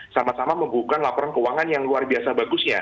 sama sama membuka laporan keuangan yang luar biasa bagusnya